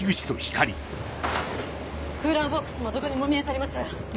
クーラーボックスもどこにも見当たりません。